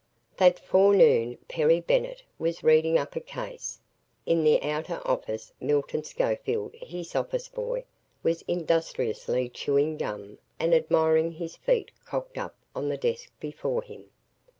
........ That forenoon, Perry Bennett was reading up a case. In the outer office Milton Schofield, his office boy, was industriously chewing gum and admiring his feet cocked up on the desk before him.